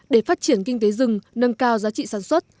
để phát triển kinh tế rừng nâng cao giá trị sản xuất